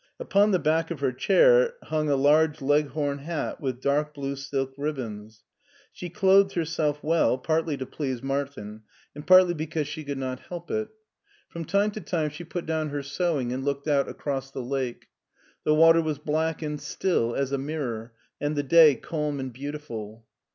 Upon the back of her chair hung a large leghorn hat with dark blue silk ribbons. She clothed herself well, partly to please Martin, and partly because she could ^86 SCHWARZWALD 287 not help it. From time to time she put down her sew ing and looked out across the lake. The water was black and still as a mirror, and the day calm and beautiful.